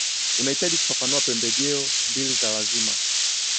unahitaji kufafanua pembejeo mbili za lazima